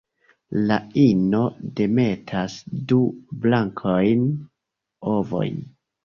La ino demetas du blankajn ovojn.